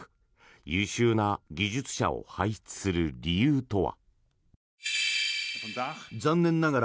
優秀な技術者を輩出する理由とは。